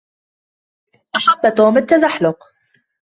أحب توم التزحلق